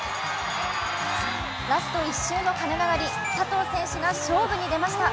ラスト１周の鐘が鳴り佐藤選手が勝負に出ました。